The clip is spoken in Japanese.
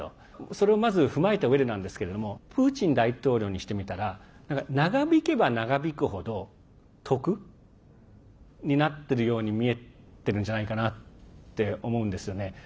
それを、まず踏まえたうえでなんですけれどもプーチン大統領にしてみたら長引けば長引くほど得になっているように見えてるんじゃないかなって思うんですよね。